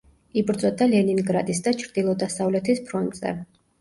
იბრძოდა ლენინგრადის და ჩრდილო-დასავლეთის ფრონტზე.